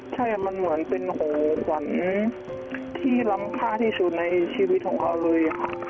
ใช่มันเหมือนเป็นขวัญที่รำค่าที่สุดในชีวิตของเขาเลยค่ะ